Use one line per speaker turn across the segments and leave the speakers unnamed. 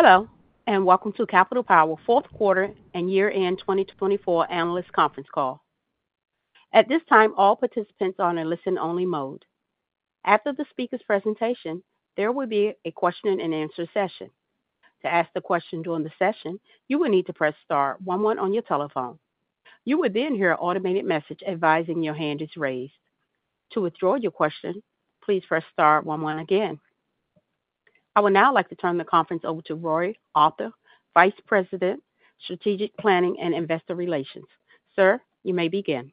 Hello, and welcome to Capital Power Q4 and Year End 2024 Analyst Conference Call. At this time, all participants are on a listen-only mode. After the speaker's presentation, there will be a question-and-answer session. To ask a question during the session, you will need to press star 11 on your telephone. You will then hear an automated message advising your hand is raised. To withdraw your question, please press star 11 again. I would now like to turn the conference over to Roy Arthur, Vice President, Strategic Planning and Investor Relations. Sir, you may begin.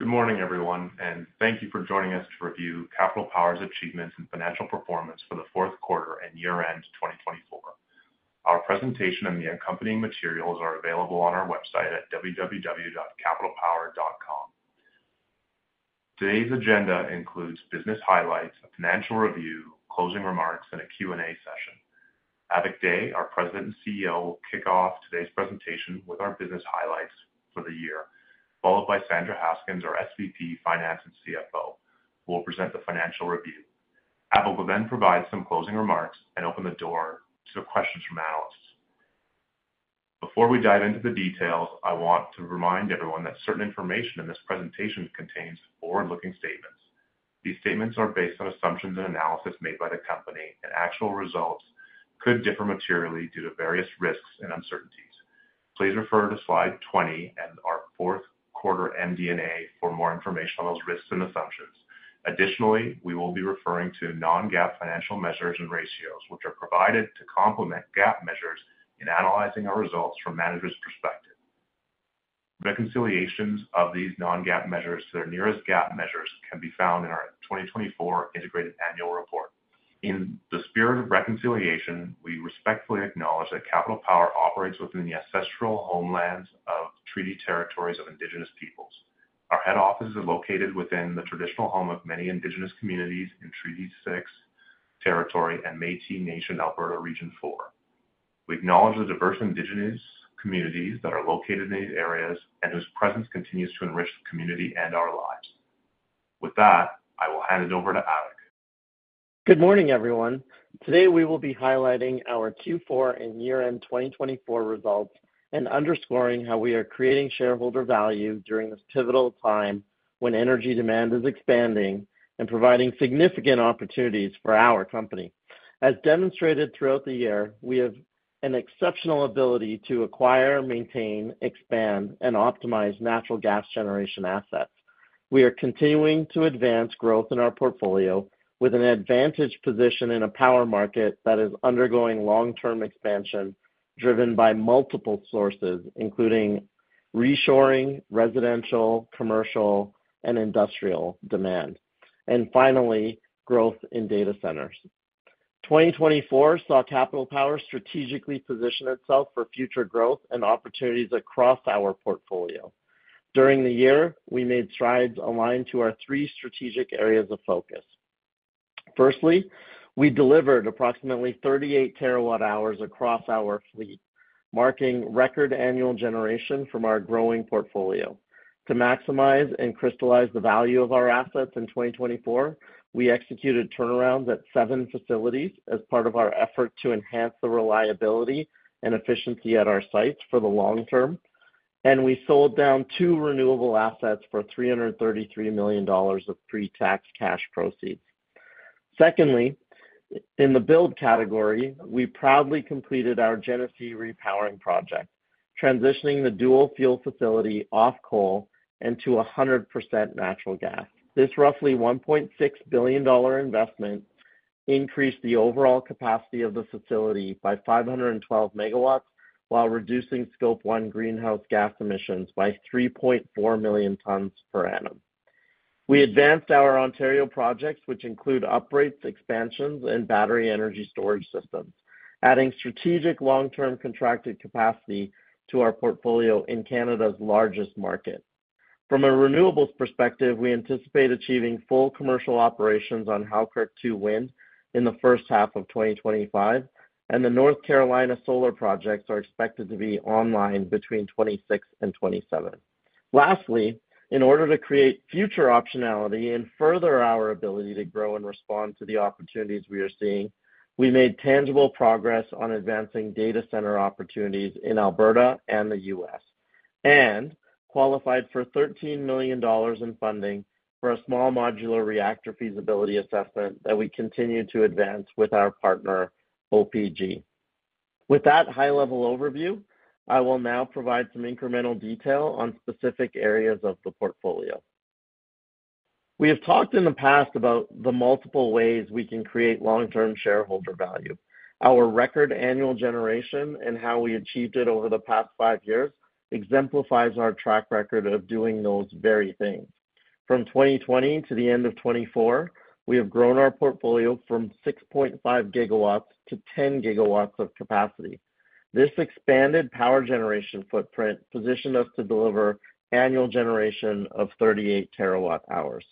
Good morning, everyone, and thank you for joining us to review Capital Power's achievements and financial performance for the Q4 and year-end 2024. Our presentation and the accompanying materials are available on our website at www.capitalpower.com. Today's agenda includes business highlights, a financial review, closing remarks, and a Q&A session. Avik Dey, our President and CEO, will kick off today's presentation with our business highlights for the year, followed by Sandra Haskins, our SVP, Finance and CFO, who will present the financial review. Avik will then provide some closing remarks and open the door to questions from analysts. Before we dive into the details, I want to remind everyone that certain information in this presentation contains forward-looking statements. These statements are based on assumptions and analysis made by the company, and actual results could differ materially due to various risks and uncertainties. Please refer to slide 20 and our Q4 MD&A for more information on those risks and assumptions. Additionally, we will be referring to non-GAAP financial measures and ratios, which are provided to complement GAAP measures in analyzing our results from managers' perspective. Reconciliations of these non-GAAP measures to their nearest GAAP measures can be found in our 2024 Integrated Annual Report. In the spirit of reconciliation, we respectfully acknowledge that Capital Power operates within the ancestral homelands of Treaty Territories of Indigenous Peoples. Our head office is located within the traditional home of many Indigenous communities in Treaty 6 Territory and Métis Nation, Alberta Region 4. We acknowledge the diverse Indigenous communities that are located in these areas and whose presence continues to enrich the community and our lives. With that, I will hand it over to Avik.
Good morning, everyone. Today, we will be highlighting our Q4 and year-end 2024 results and underscoring how we are creating shareholder value during this pivotal time when energy demand is expanding and providing significant opportunities for our company. As demonstrated throughout the year, we have an exceptional ability to acquire, maintain, expand, and optimize natural gas generation assets. We are continuing to advance growth in our portfolio with an advantaged position in a power market that is undergoing long-term expansion driven by multiple sources, including reshoring, residential, commercial, and industrial demand, and finally, growth in data centers. 2024 saw Capital Power strategically position itself for future growth and opportunities across our portfolio. During the year, we made strides aligned to our three strategic areas of focus. Firstly, we delivered approximately 38 terawatt-hours across our fleet, marking record annual generation from our growing portfolio. To maximize and crystallize the value of our assets in 2024, we executed turnarounds at seven facilities as part of our effort to enhance the reliability and efficiency at our sites for the long term, and we sold down two renewable assets for 333 million dollars of pre-tax cash proceeds. Secondly, in the build category, we proudly completed our Genesee Repowering Project, transitioning the dual-fuel facility off coal and to 100% natural gas. This roughly 1.6 billion dollar investment increased the overall capacity of the facility by 512 megawatts while reducing Scope 1 greenhouse gas emissions by 3.4 million tons per annum. We advanced our Ontario projects, which include uprates, expansions, and battery energy storage systems, adding strategic long-term contracted capacity to our portfolio in Canada's largest market. From a renewables perspective, we anticipate achieving full commercial operations on Halkirk 2 Wind in the first half of 2025, and the North Carolina solar projects are expected to be online between 2026 and 2027. Lastly, in order to create future optionality and further our ability to grow and respond to the opportunities we are seeing, we made tangible progress on advancing data center opportunities in Alberta and the U.S. and qualified for $13 million in funding for a small modular reactor feasibility assessment that we continue to advance with our partner, OPG. With that high-level overview, I will now provide some incremental detail on specific areas of the portfolio. We have talked in the past about the multiple ways we can create long-term shareholder value. Our record annual generation and how we achieved it over the past five years exemplifies our track record of doing those very things. From 2020 to the end of 2024, we have grown our portfolio from 6.5 gigawatts to 10 gigawatts of capacity. This expanded power generation footprint positioned us to deliver annual generation of 38 terawatt-hours.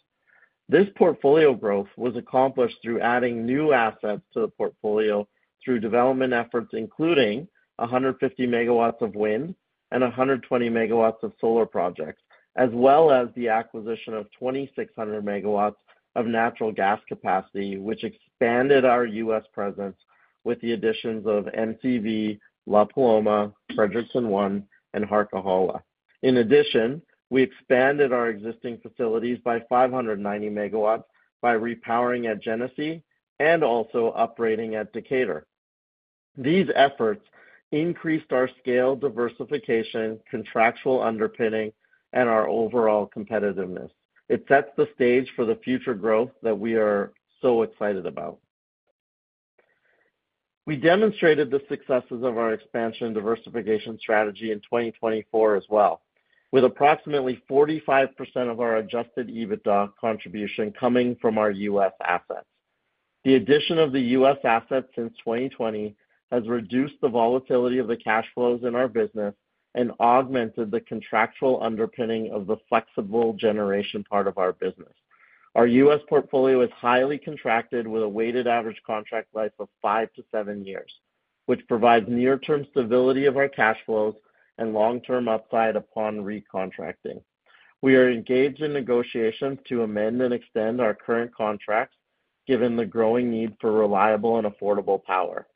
This portfolio growth was accomplished through adding new assets to the portfolio through development efforts, including 150 megawatts of wind and 120 megawatts of solar projects, as well as the acquisition of 2,600 megawatts of natural gas capacity, which expanded our U.S. presence with the additions of MCV, La Paloma, Frederickson 1, and Harquahala. In addition, we expanded our existing facilities by 590 megawatts by repowering at Genesee and also uprating at Decatur. These efforts increased our scale, diversification, contractual underpinning, and our overall competitiveness. It sets the stage for the future growth that we are so excited about. We demonstrated the successes of our expansion diversification strategy in 2024 as well, with approximately 45% of our Adjusted EBITDA contribution coming from our U.S. assets. The addition of the U.S. assets since 2020 has reduced the volatility of the cash flows in our business and augmented the contractual underpinning of the flexible generation part of our business. Our U.S. portfolio is highly contracted with a weighted average contract life of five to seven years, which provides near-term stability of our cash flows and long-term upside upon recontracting. We are engaged in negotiations to amend and extend our current contracts, given the growing need for reliable and affordable power.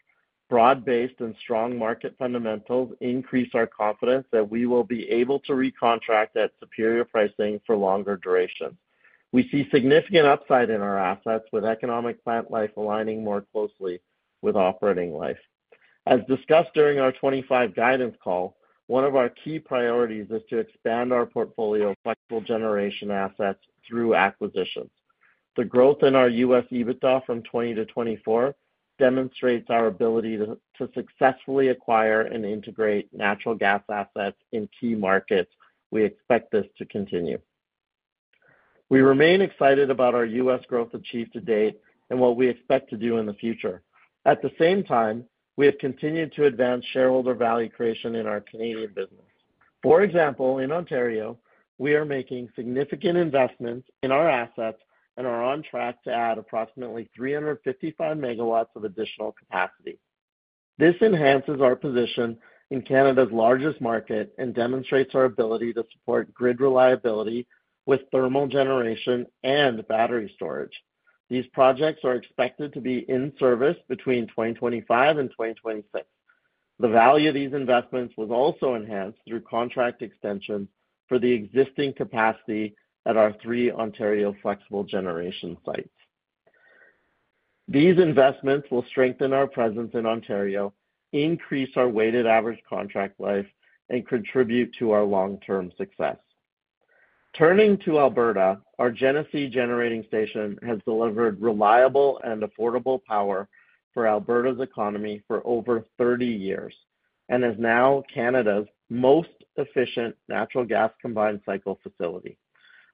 Broad-based and strong market fundamentals increase our confidence that we will be able to recontract at superior pricing for longer durations. We see significant upside in our assets, with economic plant life aligning more closely with operating life. As discussed during our 2025 guidance call, one of our key priorities is to expand our portfolio of flexible generation assets through acquisitions. The growth in our U.S. EBITDA from 2020 to 2024 demonstrates our ability to successfully acquire and integrate natural gas assets in key markets. We expect this to continue. We remain excited about our U.S. growth achieved to date and what we expect to do in the future. At the same time, we have continued to advance shareholder value creation in our Canadian business. For example, in Ontario, we are making significant investments in our assets and are on track to add approximately 355 megawatts of additional capacity. This enhances our position in Canada's largest market and demonstrates our ability to support grid reliability with thermal generation and battery storage. These projects are expected to be in service between 2025 and 2026. The value of these investments was also enhanced through contract extensions for the existing capacity at our three Ontario flexible generation sites. These investments will strengthen our presence in Ontario, increase our weighted average contract life, and contribute to our long-term success. Turning to Alberta, our Genesee Generating Station has delivered reliable and affordable power for Alberta's economy for over 30 years and is now Canada's most efficient natural gas combined cycle facility.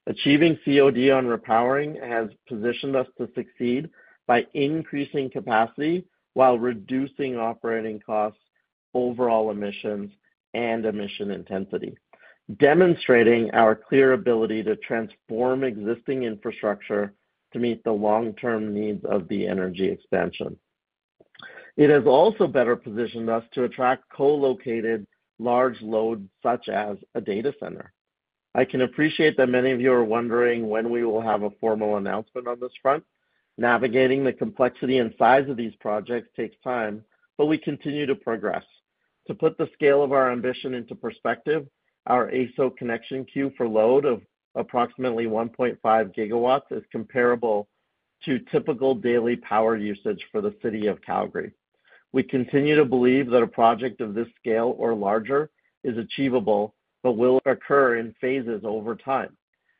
Achieving COD on repowering has positioned us to succeed by increasing capacity while reducing operating costs, overall emissions, and emission intensity, demonstrating our clear ability to transform existing infrastructure to meet the long-term needs of the energy expansion. It has also better positioned us to attract co-located large loads such as a data center. I can appreciate that many of you are wondering when we will have a formal announcement on this front. Navigating the complexity and size of these projects takes time, but we continue to progress. To put the scale of our ambition into perspective, our AESO connection queue for load of approximately 1.5 gigawatts is comparable to typical daily power usage for the city of Calgary. We continue to believe that a project of this scale or larger is achievable, but will occur in phases over time.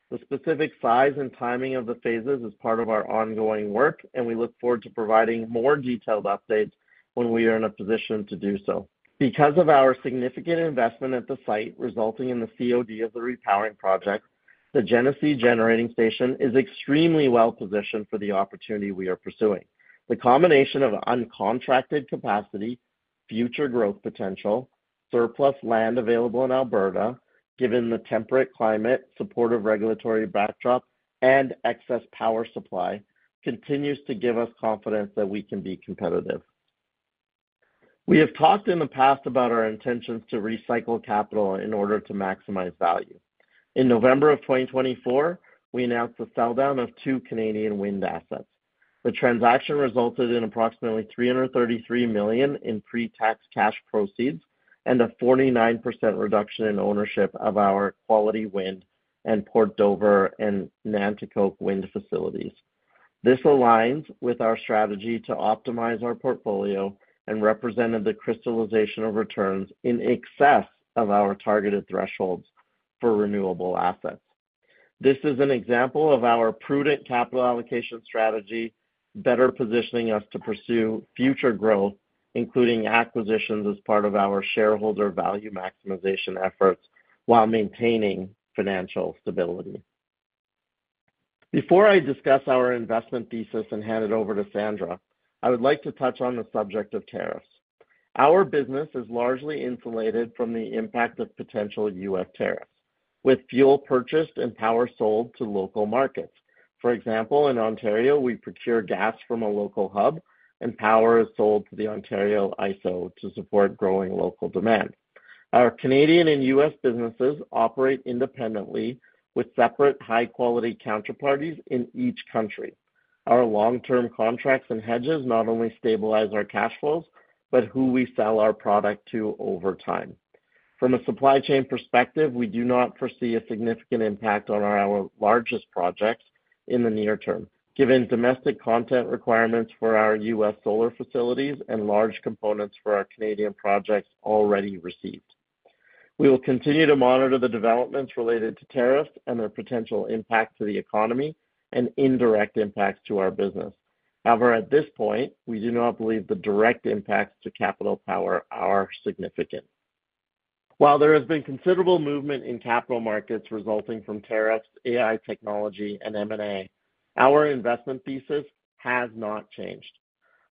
The specific size and timing of the phases is part of our ongoing work, and we look forward to providing more detailed updates when we are in a position to do so. Because of our significant investment at the site resulting in the COD of the repowering project, the Genesee Generating Station is extremely well positioned for the opportunity we are pursuing. The combination of uncontracted capacity, future growth potential, surplus land available in Alberta, given the temperate climate, supportive regulatory backdrop, and excess power supply continues to give us confidence that we can be competitive. We have talked in the past about our intentions to recycle capital in order to maximize value. In November of 2024, we announced the sell down of two Canadian wind assets. The transaction resulted in approximately 333 million in pre-tax cash proceeds and a 49% reduction in ownership of our Quality Wind and Port Dover and Nanticoke Wind facilities. This aligns with our strategy to optimize our portfolio and represented the crystallization of returns in excess of our targeted thresholds for renewable assets. This is an example of our prudent capital allocation strategy, better positioning us to pursue future growth, including acquisitions as part of our shareholder value maximization efforts while maintaining financial stability. Before I discuss our investment thesis and hand it over to Sandra, I would like to touch on the subject of tariffs. Our business is largely insulated from the impact of potential U.S. tariffs, with fuel purchased and power sold to local markets. For example, in Ontario, we procure gas from a local hub, and power is sold to the IESO to support growing local demand. Our Canadian and U.S. businesses operate independently with separate high-quality counterparties in each country. Our long-term contracts and hedges not only stabilize our cash flows, but who we sell our product to over time. From a supply chain perspective, we do not foresee a significant impact on our largest projects in the near term, given domestic content requirements for our U.S. solar facilities and large components for our Canadian projects already received. We will continue to monitor the developments related to tariffs and their potential impact to the economy and indirect impacts to our business. However, at this point, we do not believe the direct impacts to Capital Power are significant. While there has been considerable movement in capital markets resulting from tariffs, AI technology, and M&A, our investment thesis has not changed.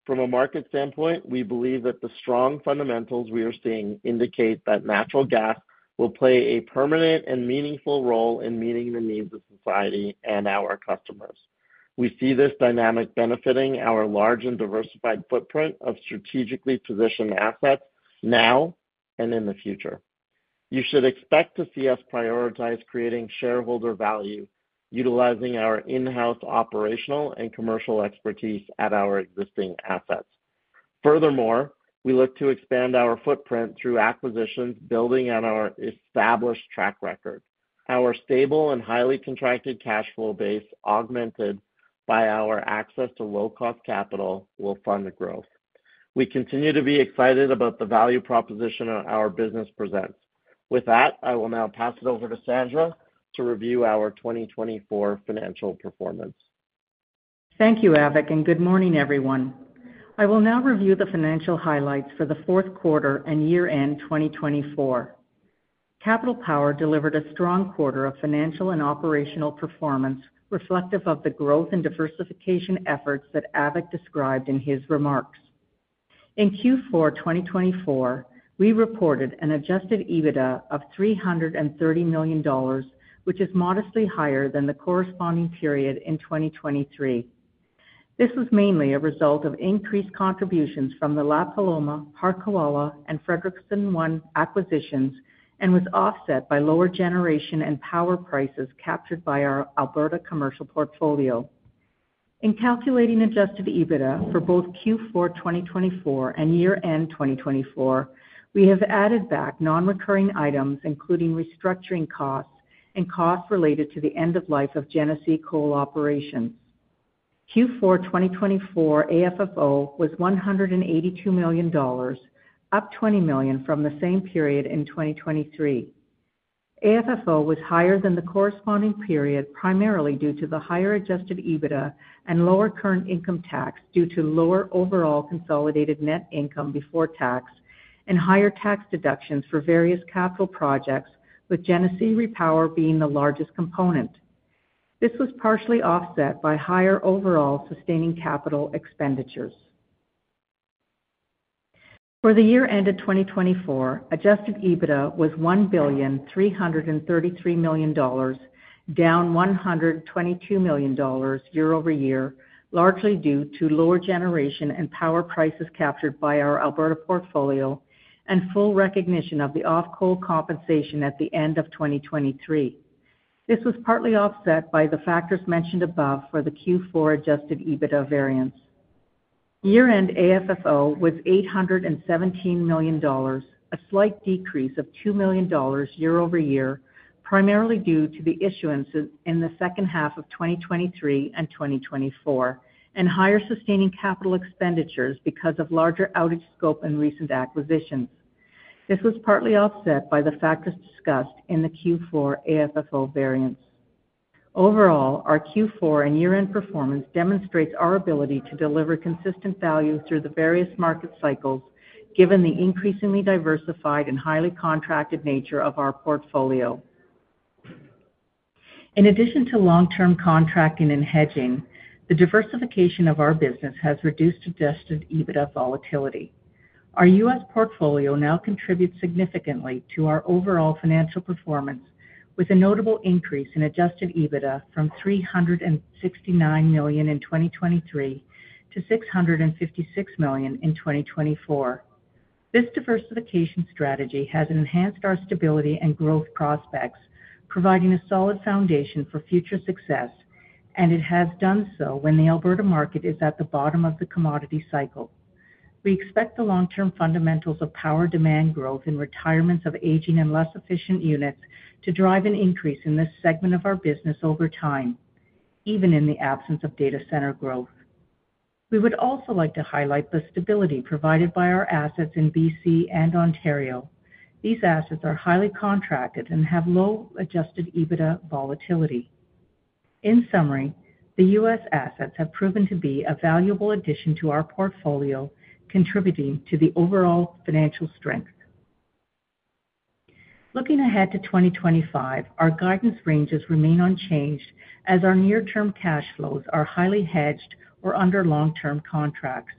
From a market standpoint, we believe that the strong fundamentals we are seeing indicate that natural gas will play a permanent and meaningful role in meeting the needs of society and our customers. We see this dynamic benefiting our large and diversified footprint of strategically positioned assets now and in the future. You should expect to see us prioritize creating shareholder value utilizing our in-house operational and commercial expertise at our existing assets. Furthermore, we look to expand our footprint through acquisitions building on our established track record. Our stable and highly contracted cash flow base, augmented by our access to low-cost capital, will fund the growth. We continue to be excited about the value proposition our business presents. With that, I will now pass it over to Sandra to review our 2024 financial performance.
Thank you, Avik, and good morning, everyone. I will now review the financial highlights for the Q4 and year-end 2024. Capital Power delivered a strong quarter of financial and operational performance reflective of the growth and diversification efforts that Avik described in his remarks. In Q4 2024, we reported an adjusted EBITDA of 330 million dollars, which is modestly higher than the corresponding period in 2023. This was mainly a result of increased contributions from the La Paloma, Harquahala, and Frederickson 1 acquisitions and was offset by lower generation and power prices captured by our Alberta commercial portfolio. In calculating adjusted EBITDA for both Q4 2024 and year-end 2024, we have added back non-recurring items, including restructuring costs and costs related to the end of life of Genesee coal operations. Q4 2024 AFFO was 182 million dollars, up 20 million from the same period in 2023. AFFO was higher than the corresponding period primarily due to the higher adjusted EBITDA and lower current income tax due to lower overall consolidated net income before tax and higher tax deductions for various capital projects, with Genesee repowering being the largest component. This was partially offset by higher overall sustaining capital expenditures. For the year-end of 2024, adjusted EBITDA was 1,333 million dollars, down 122 million dollars year-over-year, largely due to lower generation and power prices captured by our Alberta portfolio and full recognition of the off-coal compensation at the end of 2023. This was partly offset by the factors mentioned above for the Q4 adjusted EBITDA variance. Year-end AFFO was 817 million dollars, a slight decrease of 2 million dollars year-over-year, primarily due to the issuance in the second half of 2023 and 2024 and higher sustaining capital expenditures because of larger outage scope and recent acquisitions. This was partly offset by the factors discussed in the Q4 AFFO variance. Overall, our Q4 and year-end performance demonstrates our ability to deliver consistent value through the various market cycles, given the increasingly diversified and highly contracted nature of our portfolio. In addition to long-term contracting and hedging, the diversification of our business has reduced adjusted EBITDA volatility. Our U.S. portfolio now contributes significantly to our overall financial performance, with a notable increase in adjusted EBITDA from 369 million in 2023 to 656 million in 2024. This diversification strategy has enhanced our stability and growth prospects, providing a solid foundation for future success, and it has done so when the Alberta market is at the bottom of the commodity cycle. We expect the long-term fundamentals of power demand growth and retirements of aging and less efficient units to drive an increase in this segment of our business over time, even in the absence of data center growth. We would also like to highlight the stability provided by our assets in BC and Ontario. These assets are highly contracted and have low Adjusted EBITDA volatility. In summary, the U.S. assets have proven to be a valuable addition to our portfolio, contributing to the overall financial strength. Looking ahead to 2025, our guidance ranges remain unchanged as our near-term cash flows are highly hedged or under long-term contracts.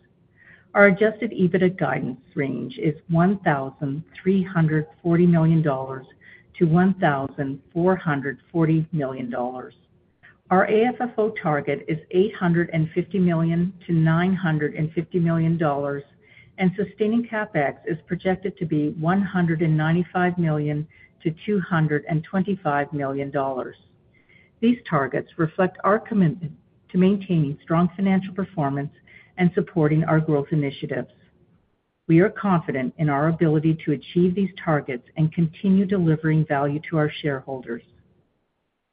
Our adjusted EBITDA guidance range is 1,340 million-1,440 million dollars. Our AFFO target is 850 million-950 million dollars, and sustaining CapEx is projected to be 195 million-225 million dollars. These targets reflect our commitment to maintaining strong financial performance and supporting our growth initiatives. We are confident in our ability to achieve these targets and continue delivering value to our shareholders.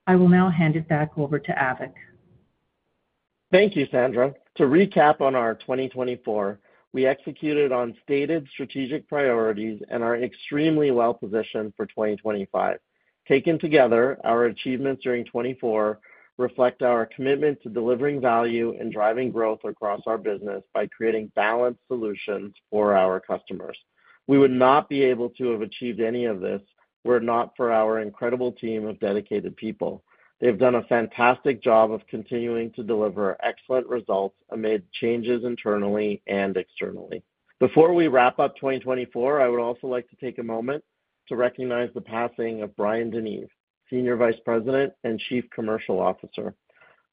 I will now hand it back over to Avik.
Thank you, Sandra. To recap on our 2024, we executed on stated strategic priorities and are extremely well positioned for 2025. Taken together, our achievements during 2024 reflect our commitment to delivering value and driving growth across our business by creating balanced solutions for our customers. We would not be able to have achieved any of this were it not for our incredible team of dedicated people. They've done a fantastic job of continuing to deliver excellent results amid changes internally and externally. Before we wrap up 2024, I would also like to take a moment to recognize the passing of Brian DeNeve, Senior Vice President and Chief Commercial Officer,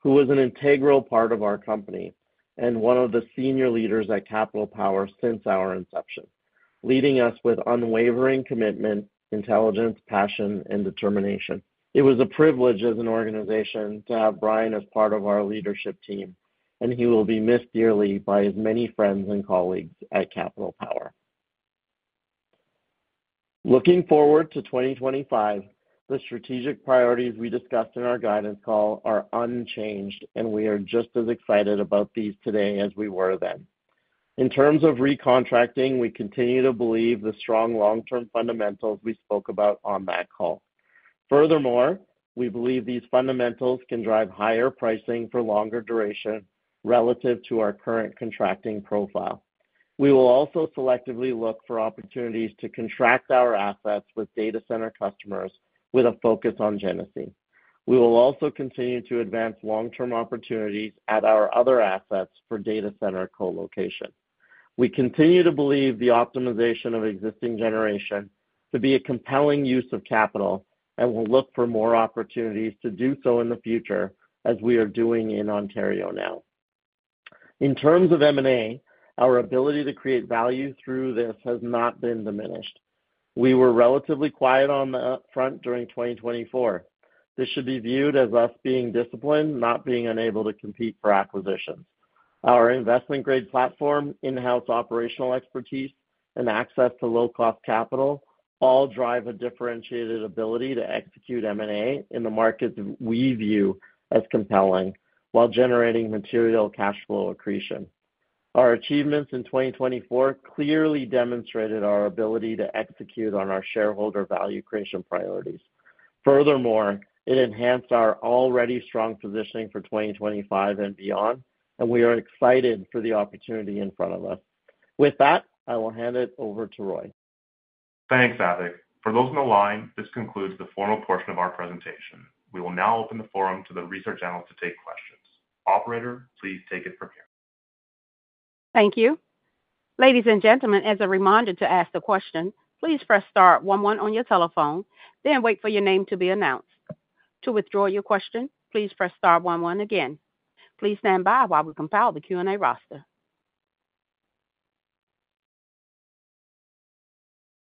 who was an integral part of our company and one of the senior leaders at Capital Power since our inception, leading us with unwavering commitment, intelligence, passion, and determination. It was a privilege as an organization to have Brian as part of our leadership team, and he will be missed dearly by as many friends and colleagues at Capital Power. Looking forward to 2025, the strategic priorities we discussed in our guidance call are unchanged, and we are just as excited about these today as we were then. In terms of recontracting, we continue to believe the strong long-term fundamentals we spoke about on that call. Furthermore, we believe these fundamentals can drive higher pricing for longer duration relative to our current contracting profile. We will also selectively look for opportunities to contract our assets with data center customers with a focus on Genesee. We will also continue to advance long-term opportunities at our other assets for data center co-location. We continue to believe the optimization of existing generation to be a compelling use of capital, and we'll look for more opportunities to do so in the future, as we are doing in Ontario now. In terms of M&A, our ability to create value through this has not been diminished. We were relatively quiet on the front during 2024. This should be viewed as us being disciplined, not being unable to compete for acquisitions. Our investment-grade platform, in-house operational expertise, and access to low-cost capital all drive a differentiated ability to execute M&A in the markets we view as compelling while generating material cash flow accretion. Our achievements in 2024 clearly demonstrated our ability to execute on our shareholder value creation priorities. Furthermore, it enhanced our already strong positioning for 2025 and beyond, and we are excited for the opportunity in front of us. With that, I will hand it over to Roy.
Thanks, Avik. For those on the line, this concludes the formal portion of our presentation. We will now open the forum to the research analysts to take questions. Operator, please take it from here.
Thank you. Ladies and gentlemen, as a reminder to ask the question, please press star 11 on your telephone, then wait for your name to be announced. To withdraw your question, please press star 11 again. Please stand by while we compile the Q&A roster.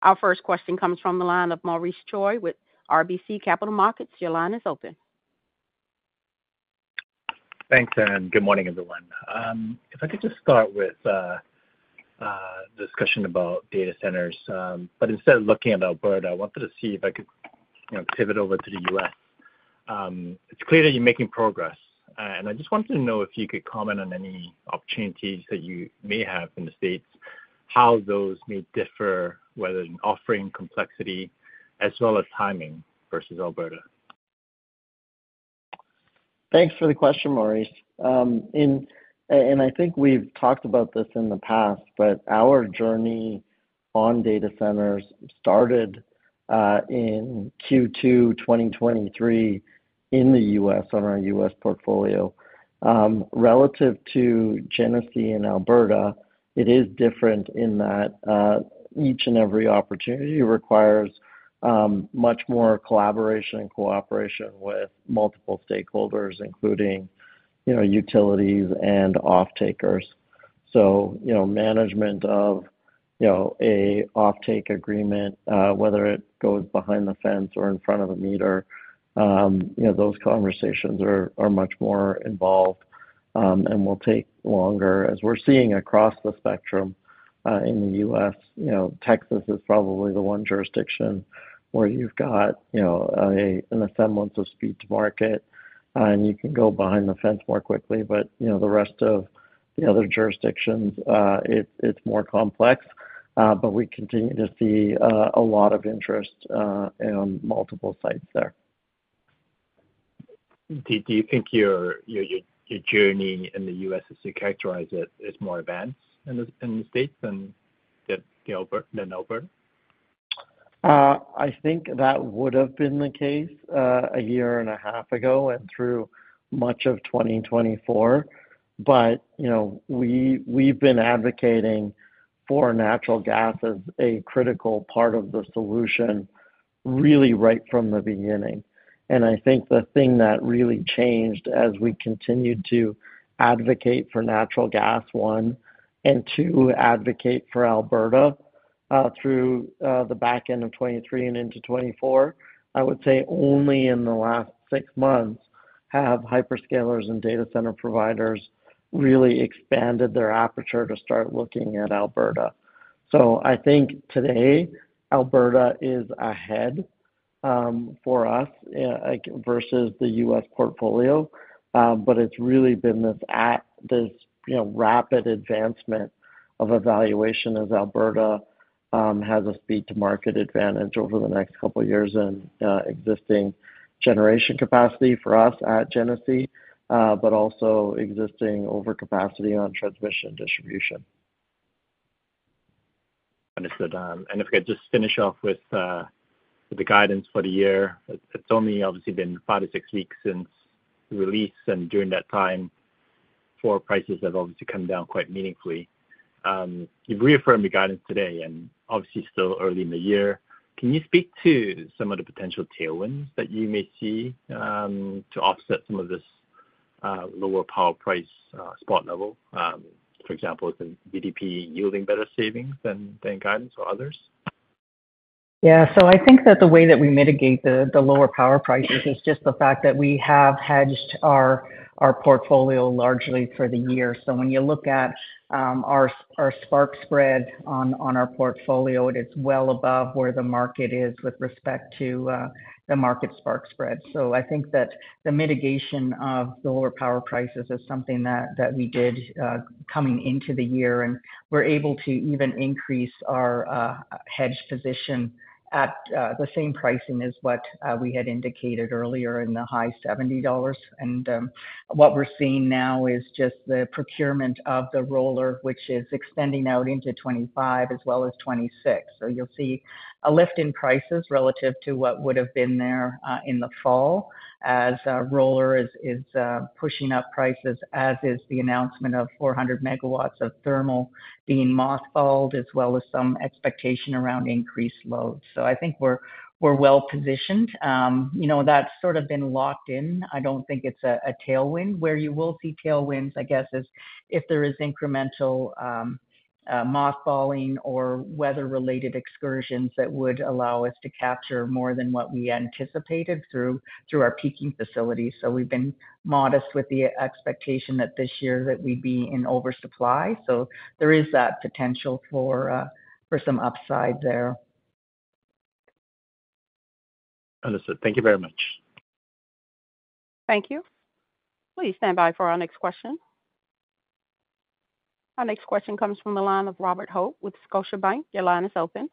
Our first question comes from the line of Maurice Choy with RBC Capital Markets. Your line is open.
Thanks, and good morning, everyone. If I could just start with the discussion about data centers, but instead of looking at Alberta, I wanted to see if I could pivot over to the U.S. It's clear that you're making progress, and I just wanted to know if you could comment on any opportunities that you may have in the States, how those may differ, whether in offering complexity as well as timing versus Alberta.
Thanks for the question, Maurice. And I think we've talked about this in the past, but our journey on data centers started in Q2 2023 in the U.S. on our U.S. portfolio. Relative to Genesee and Alberta, it is different in that each and every opportunity requires much more collaboration and cooperation with multiple stakeholders, including utilities and off-takers. So management of an off-take agreement, whether it goes behind the fence or in front of a meter, those conversations are much more involved and will take longer. As we're seeing across the spectrum in the U.S., Texas is probably the one jurisdiction where you've got a semblance of speed to market, and you can go behind the fence more quickly, but the rest of the other jurisdictions, it's more complex. But we continue to see a lot of interest in multiple sites there.
Do you think your journey in the U.S., as you characterize it, is more advanced in the States than Alberta?
I think that would have been the case a year and a half ago and through much of 2024, but we've been advocating for natural gas as a critical part of the solution really right from the beginning. And I think the thing that really changed as we continued to advocate for natural gas, one, and to advocate for Alberta through the back end of 2023 and into 2024, I would say only in the last six months have hyperscalers and data center providers really expanded their aperture to start looking at Alberta. So I think today Alberta is ahead for us versus the U.S. portfolio, but it's really been this rapid advancement of evaluation as Alberta has a speed to market advantage over the next couple of years in existing generation capacity for us at Genesee, but also existing overcapacity on transmission distribution.
Understood. And if I could just finish off with the guidance for the year, it's only obviously been five to six weeks since release, and during that time, forward prices have obviously come down quite meaningfully. You've reaffirmed your guidance today, and obviously still early in the year. Can you speak to some of the potential tailwinds that you may see to offset some of this lower power price spot level? For example, is the GDP yielding better savings than guidance or others?
Yeah. So I think that the way that we mitigate the lower power prices is just the fact that we have hedged our portfolio largely for the year. So when you look at our spark spread on our portfolio, it is well above where the market is with respect to the market spark spread. So I think that the mitigation of lower power prices is something that we did coming into the year, and we're able to even increase our hedge position at the same pricing as what we had indicated earlier in the high $70. And what we're seeing now is just the procurement of the roller, which is extending out into 2025 as well as 2026. So you'll see a lift in prices relative to what would have been there in the fall as roller is pushing up prices, as is the announcement of 400 megawatts of thermal being mothballed as well as some expectation around increased loads. So I think we're well positioned. That's sort of been locked in. I don't think it's a tailwind. Where you will see tailwinds, I guess, is if there is incremental mothballing or weather-related excursions that would allow us to capture more than what we anticipated through our peaking facilities. So we've been modest with the expectation that this year that we'd be in oversupply. So there is that potential for some upside there.
Understood. Thank you very much.
Thank you. Please stand by for our next question. Our next question comes from the line of Robert Hope with Scotiabank. Your line is open.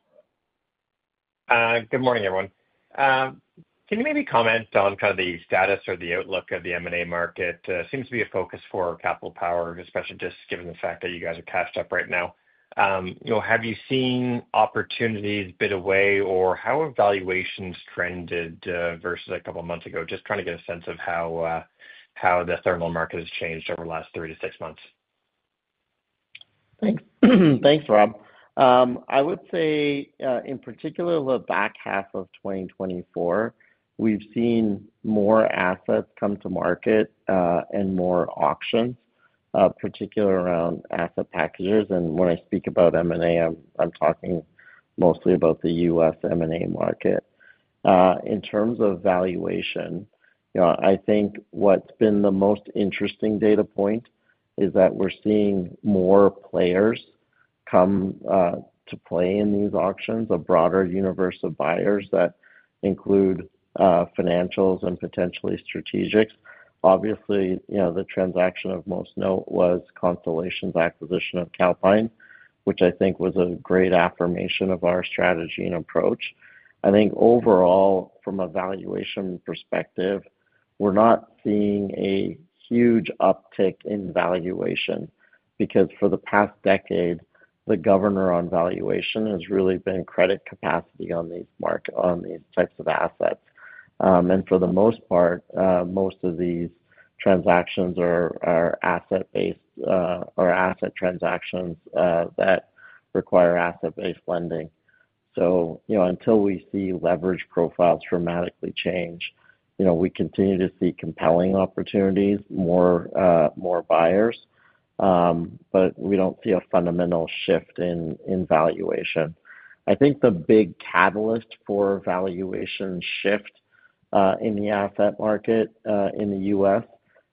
Good morning, everyone. Can you maybe comment on kind of the status or the outlook of the M&A market? It seems to be a focus for Capital Power, especially just given the fact that you guys are cashed up right now. Have you seen opportunities bid away, or how have valuations trended versus a couple of months ago? Just trying to get a sense of how the thermal market has changed over the last three to six months.
Thanks, Rob. I would say, in particular, the back half of 2024, we've seen more assets come to market and more auctions, particularly around asset packages. When I speak about M&A, I'm talking mostly about the U.S. M&A market. In terms of valuation, I think what's been the most interesting data point is that we're seeing more players come to play in these auctions, a broader universe of buyers that include financials and potentially strategics. Obviously, the transaction of most note was Constellation's acquisition of Calpine, which I think was a great affirmation of our strategy and approach. I think overall, from a valuation perspective, we're not seeing a huge uptick in valuation because for the past decade, the governor on valuation has really been credit capacity on these types of assets, and for the most part, most of these transactions are asset-based or asset transactions that require asset-based lending, so until we see leverage profiles dramatically change, we continue to see compelling opportunities, more buyers, but we don't see a fundamental shift in valuation. I think the big catalyst for valuation shift in the asset market in the U.S.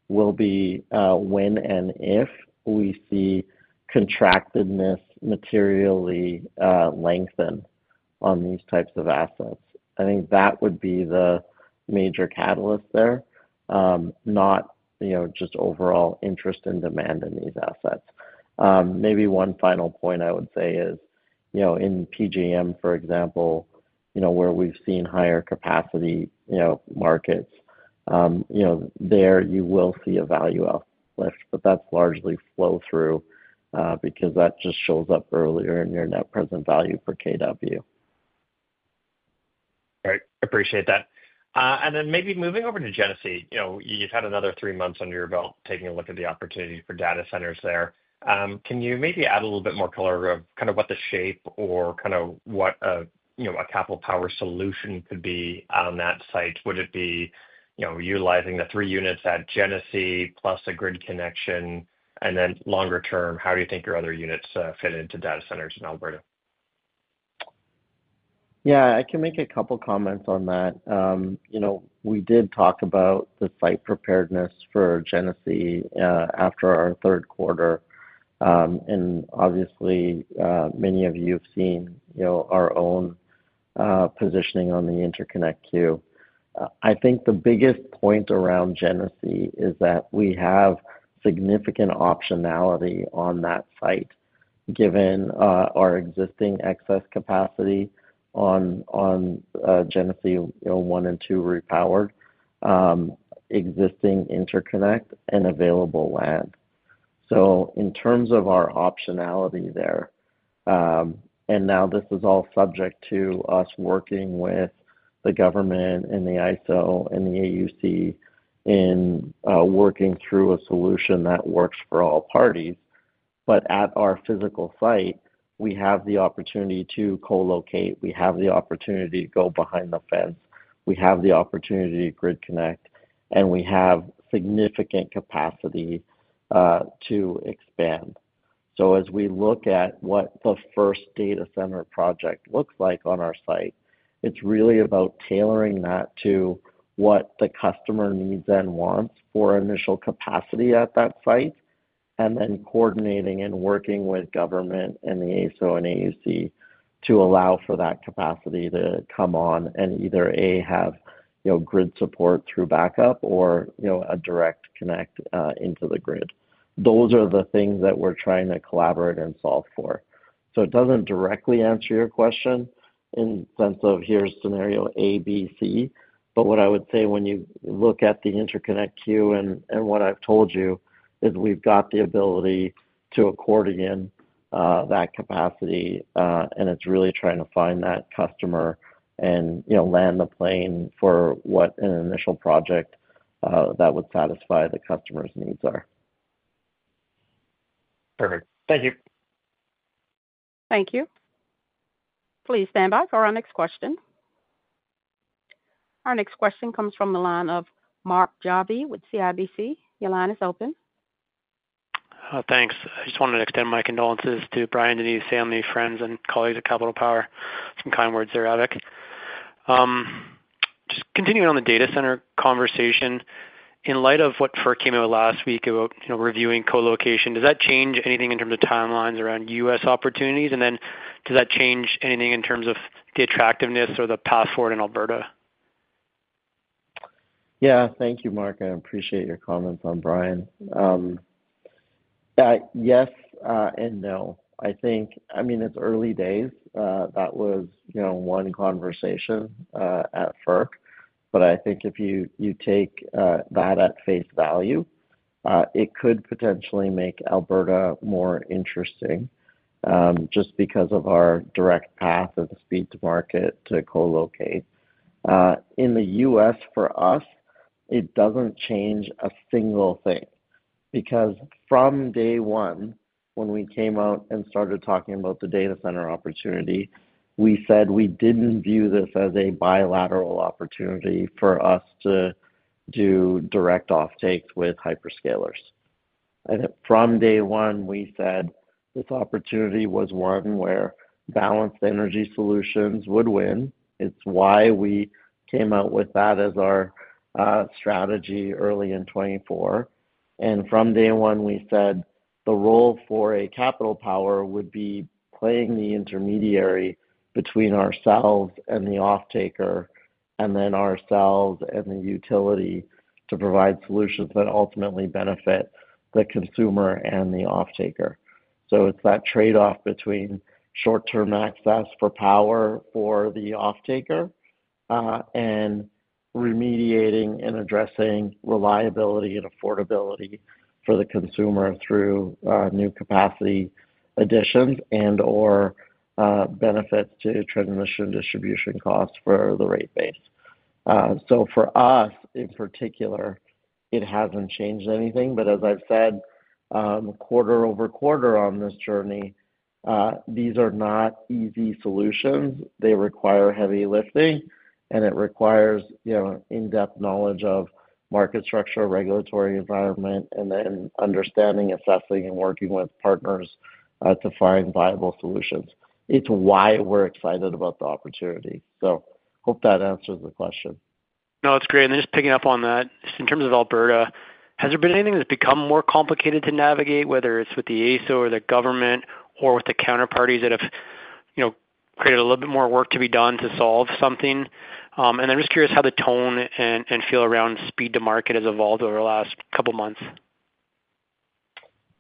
will be when and if we see contractedness materially lengthen on these types of assets. I think that would be the major catalyst there, not just overall interest and demand in these assets. Maybe one final point I would say is in PJM, for example, where we've seen higher capacity markets, there you will see a value uplift, but that's largely flow-through because that just shows up earlier in your net present value for kW.
All right. Appreciate that. And then maybe moving over to Genesee, you've had another three months under your belt taking a look at the opportunity for data centers there. Can you maybe add a little bit more color of kind of what the shape or kind of what a Capital Power solution could be on that site? Would it be utilizing the three units at Genesee plus a grid connection? And then longer term, how do you think your other units fit into data centers in Alberta?
Yeah. I can make a couple of comments on that. We did talk about the site preparedness for Genesee after our Q3. And obviously, many of you have seen our own positioning on the interconnect queue. I think the biggest point around Genesee is that we have significant optionality on that site given our existing excess capacity on Genesee 1 and 2 repowered, existing interconnect, and available land. So in terms of our optionality there, and now this is all subject to us working with the government and the AESO and the AUC in working through a solution that works for all parties. But at our physical site, we have the opportunity to co-locate. We have the opportunity to go behind the fence. We have the opportunity to grid connect, and we have significant capacity to expand. As we look at what the first data center project looks like on our site, it's really about tailoring that to what the customer needs and wants for initial capacity at that site, and then coordinating and working with government and the ASO and AUC to allow for that capacity to come on and either A, have grid support through backup or a direct connect into the grid. Those are the things that we're trying to collaborate and solve for. So it doesn't directly answer your question in the sense of, "Here's scenario A, B, C." But what I would say when you look at the interconnect queue and what I've told you is we've got the ability to accommodate that capacity, and it's really trying to find that customer and land the plane for what an initial project that would satisfy the customer's needs are.
Perfect. Thank you.
Thank you. Please stand by for our next question. Our next question comes from the line of Mark Jarvi with CIBC. Your line is open. Thanks. I just wanted to extend my condolences to Brian DeNeve's family
Yeah. Thank you, Mark. I appreciate your comments on Brian. Yes and no. I mean, it's early days. That was one conversation at FERC, but I think if you take that at face value, it could potentially make Alberta more interesting just because of our direct path and the speed to market to co-locate. In the U.S., for us, it doesn't change a single thing because from day one, when we came out and started talking about the data center opportunity, we said we didn't view this as a bilateral opportunity for us to do direct offtakes with hyperscalers. And from day one, we said this opportunity was one where balanced energy solutions would win. It's why we came out with that as our strategy early in 2024. And from day one, we said the role for a Capital Power would be playing the intermediary between ourselves and the offtaker and then ourselves and the utility to provide solutions that ultimately benefit the consumer and the offtaker. So it's that trade-off between short-term access for power for the offtaker and remediating and addressing reliability and affordability for the consumer through new capacity additions and/or benefits to transmission distribution costs for the rate base. For us, in particular, it hasn't changed anything. But as I've said, quarter over quarter on this journey, these are not easy solutions. They require heavy lifting, and it requires in-depth knowledge of market structure, regulatory environment, and then understanding, assessing, and working with partners to find viable solutions. It's why we're excited about the opportunity. So hope that answers the question.
No, it's great. And then just picking up on that, in terms of Alberta, has there been anything that's become more complicated to navigate, whether it's with the ASO or the government or with the counterparties that have created a little bit more work to be done to solve something? And I'm just curious how the tone and feel around speed to market has evolved over the last couple of months.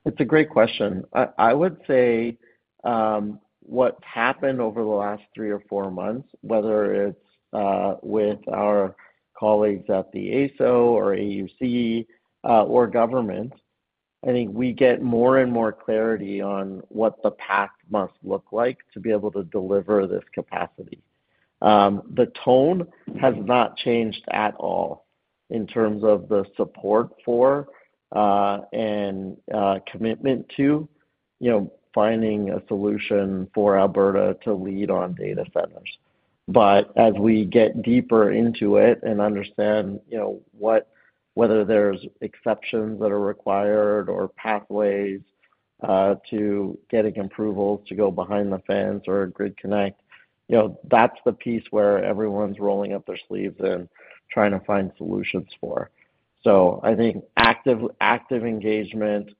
It's a great question. I would say what's happened over the last three or four months, whether it's with our colleagues at the ASO or AUC or government, I think we get more and more clarity on what the path must look like to be able to deliver this capacity. The tone has not changed at all in terms of the support for and commitment to finding a solution for Alberta to lead on data centers. But as we get deeper into it and understand whether there's exceptions that are required or pathways to getting approvals to go behind the fence or grid connect, that's the piece where everyone's rolling up their sleeves and trying to find solutions for. So I think active engagement,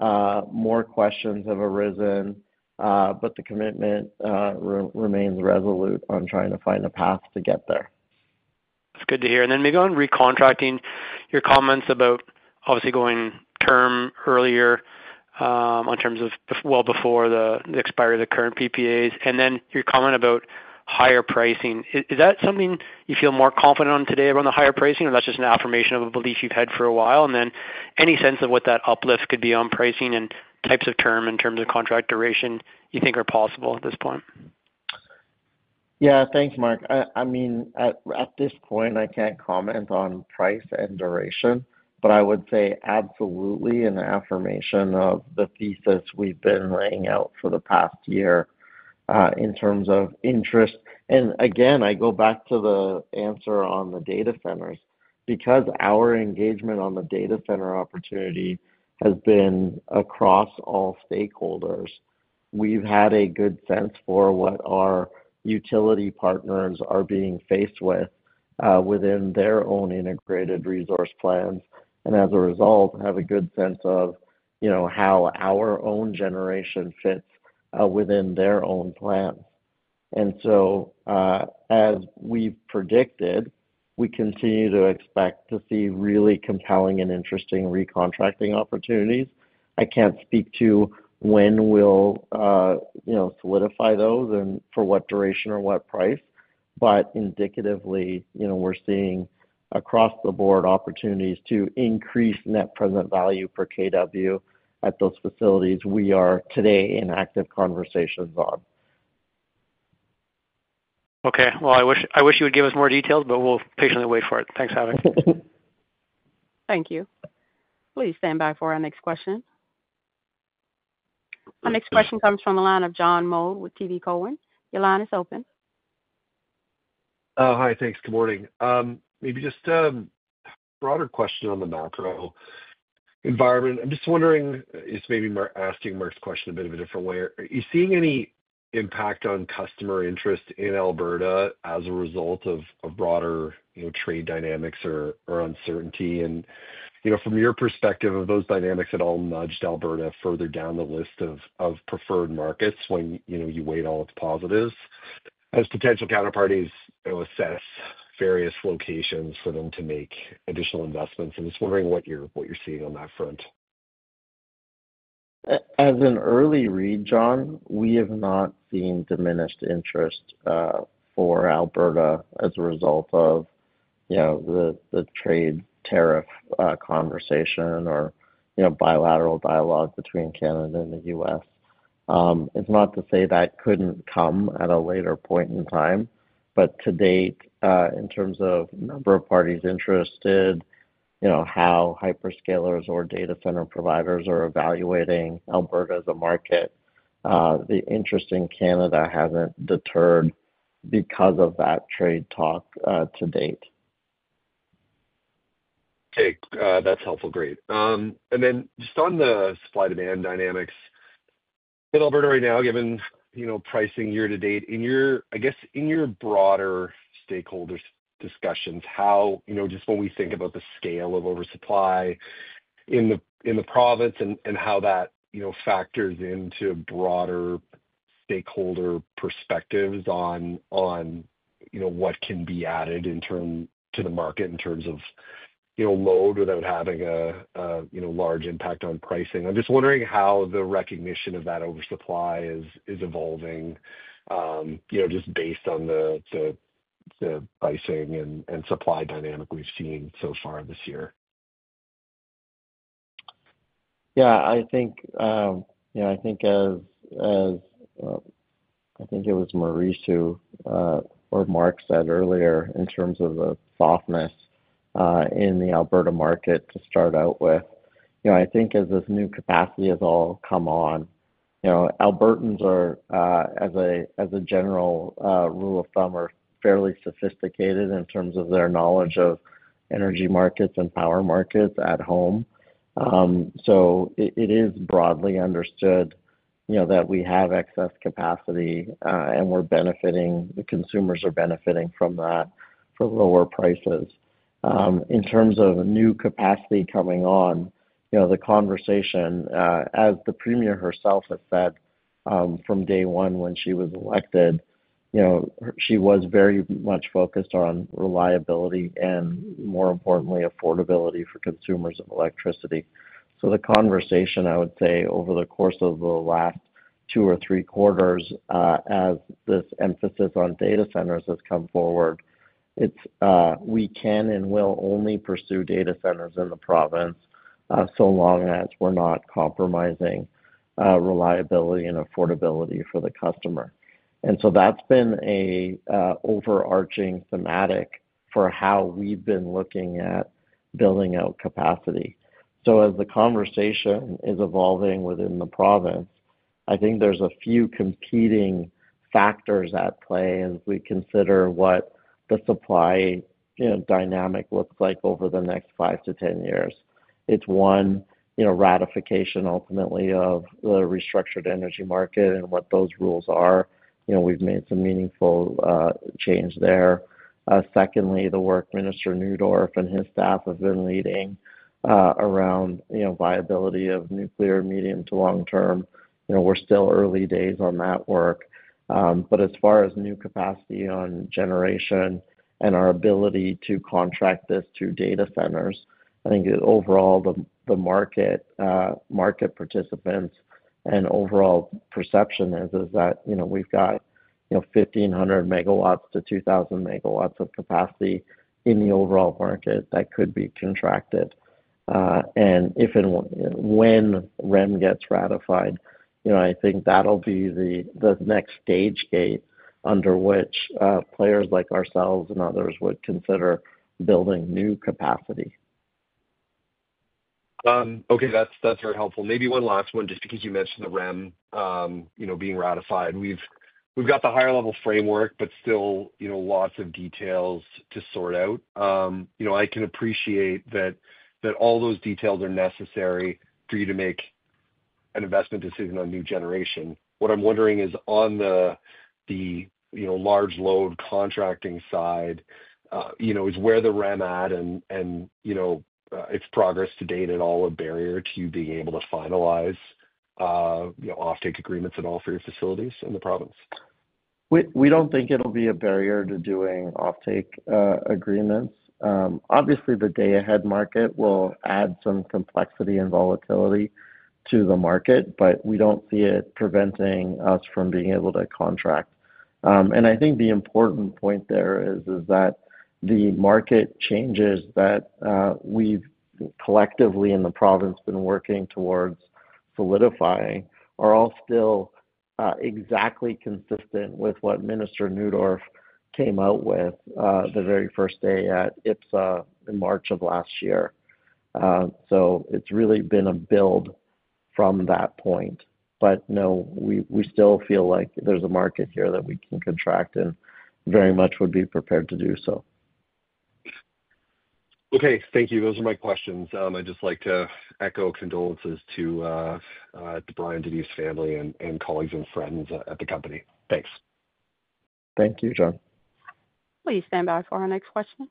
more questions have arisen, but the commitment remains resolute on trying to find a path to get there.
It's good to hear. And then maybe on recontracting, your comments about obviously going term earlier in terms of well before the expiry of the current PPAs. And then your comment about higher pricing. Is that something you feel more confident on today around the higher pricing, or that's just an affirmation of a belief you've had for a while? And then any sense of what that uplift could be on pricing and types of term in terms of contract duration you think are possible at this point?
Yeah. Thanks, Mark. I mean, at this point, I can't comment on price and duration, but I would say absolutely an affirmation of the thesis we've been laying out for the past year in terms of interest. And again, I go back to the answer on the data centers. Because our engagement on the data center opportunity has been across all stakeholders, we've had a good sense for what our utility partners are being faced with within their own integrated resource plans. And as a result, have a good sense of how our own generation fits within their own plans. And so as we've predicted, we continue to expect to see really compelling and interesting recontracting opportunities. I can't speak to when we'll solidify those and for what duration or what price. But indicatively, we're seeing across the board opportunities to increase net present value for kW at those facilities we are today in active conversations on.
Okay. Well, I wish you would give us more details, but we'll patiently wait for it. Thanks, Abby.
Thank you. Please stand by for our next question. Our next question comes from the line of John Mould with TD Cowen. Your line is open.
Hi. Thanks. Good morning. Maybe just a broader question on the macro environment. I'm just wondering, maybe asking Mark's question a bit of a different way. Are you seeing any impact on customer interest in Alberta as a result of broader trade dynamics or uncertainty? And from your perspective, have those dynamics at all nudged Alberta further down the list of preferred markets when you weighed all its positives as potential counterparties assess various locations for them to make additional investments? I'm just wondering what you're seeing on that front.
As an early read, John, we have not seen diminished interest for Alberta as a result of the trade tariff conversation or bilateral dialogue between Canada and the U.S. It's not to say that couldn't come at a later point in time, but to date, in terms of number of parties interested, how hyperscalers or data center providers are evaluating Alberta as a market, the interest in Canada hasn't deterred because of that trade talk to date.
Okay. That's helpful. Great. And then just on the supply-demand dynamics, in Alberta right now, given pricing year to date, I guess in your broader stakeholders' discussions, just when we think about the scale of oversupply in the province and how that factors into broader stakeholder perspectives on what can be added to the market in terms of load without having a large impact on pricing. I'm just wondering how the recognition of that oversupply is evolving just based on the pricing and supply dynamic we've seen so far this year?
Yeah. I think as it was Maurice or Mark said earlier in terms of the softness in the Alberta market to start out with. I think as this new capacity has all come on, Albertans are, as a general rule of thumb, fairly sophisticated in terms of their knowledge of energy markets and power markets at home. It is broadly understood that we have excess capacity and we're benefiting. The consumers are benefiting from that for lower prices. In terms of new capacity coming on, the conversation, as the Premier herself has said from day one when she was elected, she was very much focused on reliability and, more importantly, affordability for consumers of electricity. So the conversation, I would say, over the course of the last two or three quarters, as this emphasis on data centers has come forward, we can and will only pursue data centers in the province so long as we're not compromising reliability and affordability for the customer. And so that's been an overarching thematic for how we've been looking at building out capacity. So as the conversation is evolving within the province, I think there's a few competing factors at play as we consider what the supply dynamic looks like over the next 5 to 10 years. It's one, ratification ultimately of the restructured energy market and what those rules are. We've made some meaningful change there. Secondly, the work Minister Neudorf and his staff have been leading around viability of nuclear medium to long-term. We're still early days on that work. But as far as new capacity on generation and our ability to contract this to data centers, I think overall the market participants and overall perception is that we've got 1,500-2,000 megawatts of capacity in the overall market that could be contracted. And if and when REM gets ratified, I think that'll be the next stage gate under which players like ourselves and others would consider building new capacity.
Okay. That's very helpful. Maybe one last one, just because you mentioned the REM being ratified. We've got the higher-level framework, but still lots of details to sort out. I can appreciate that all those details are necessary for you to make an investment decision on new generation. What I'm wondering is, on the large load contracting side, is where the REM at and its progress to date at all a barrier to you being able to finalize offtake agreements at all for your facilities in the province?
We don't think it'll be a barrier to doing offtake agreements. Obviously, the day-ahead market will add some complexity and volatility to the market, but we don't see it preventing us from being able to contract. And I think the important point there is that the market changes that we've collectively in the province been working towards solidifying are all still exactly consistent with what Minister Neudorf came out with the very first day at IPPSA in March of last year. So it's really been a build from that point. But no, we still feel like there's a market here that we can contract and very much would be prepared to do so.
Okay. Thank you. Those are my questions. I'd just like to echo condolences to Brian DeNeve's family and colleagues and friends at the company. Thanks.
Thank you, John.
Please stand by for our next question.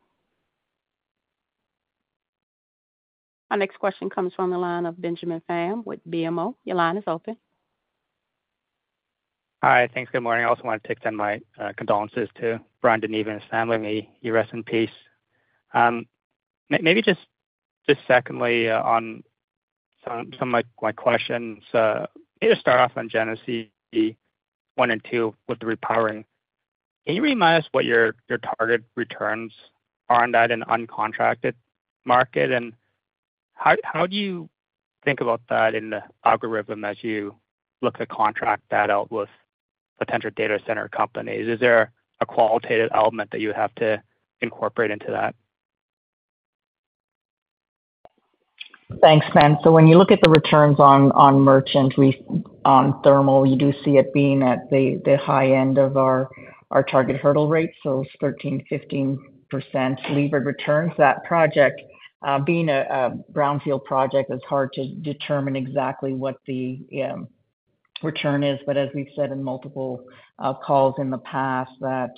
Our next question comes from the line of Benjamin Pham with BMO. Your line is open.
Hi. Thanks. Good morning. I also want to take my condolences to Brian DeNeve and his family and may he rest in peace. Maybe just secondly on some of my questions, maybe to start off on Genesee 1 and 2 with the repowering, can you remind us what your target returns are on that in uncontracted market? And how do you think about that in the algorithm as you look to contract that out with potential data center companies? Is there a qualitative element that you have to incorporate into that?
Thanks, Ben. So when you look at the returns on Merchant on Thermal, you do see it being at the high end of our target hurdle rate. So it's 13%-15% levered returns. That project, being a brownfield project, it's hard to determine exactly what the return is. But as we've said in multiple calls in the past, that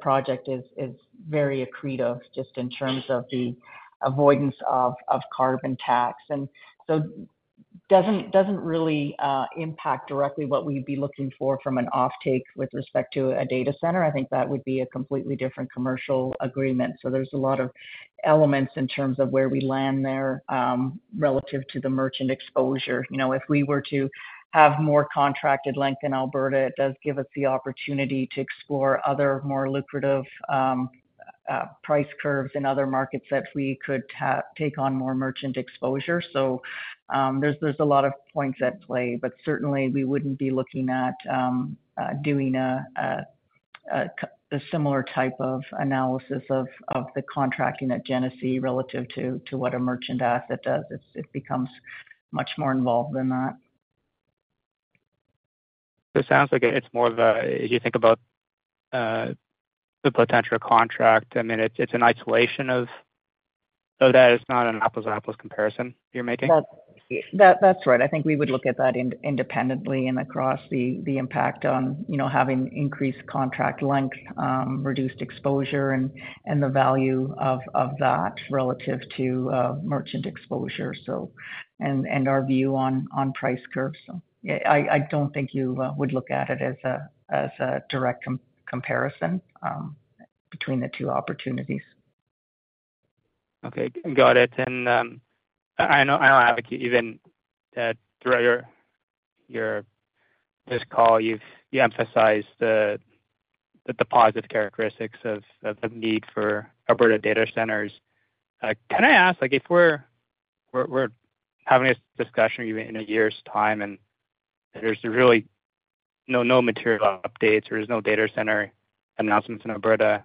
project is very accretive just in terms of the avoidance of carbon tax. And so it doesn't really impact directly what we'd be looking for from an offtake with respect to a data center. I think that would be a completely different commercial agreement. So, there's a lot of elements in terms of where we land there relative to the merchant exposure. If we were to have more contracted length in Alberta, it does give us the opportunity to explore other more lucrative price curves in other markets that we could take on more merchant exposure. So, there's a lot of points at play. But certainly, we wouldn't be looking at doing a similar type of analysis of the contracting at Genesee relative to what a merchant asset does. It becomes much more involved than that.
So, it sounds like it's more of a, as you think about the potential contract, I mean, it's an isolation of that. It's not an apples-to-apples comparison you're making.
That's right. I think we would look at that independently and across the impact on having increased contract length, reduced exposure, and the value of that relative to merchant exposure, and our view on price curves. So I don't think you would look at it as a direct comparison between the two opportunities. Okay. Got it. And I know, Avik, even throughout this call, you emphasized the positive characteristics of the need for Alberta data centers. Can I ask, if we're having this discussion in a year's time and there's really no material updates or there's no data center announcements in Alberta,